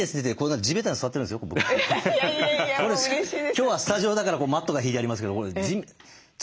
今日はスタジオだからマットが敷いてありますけどこれ土ですからね。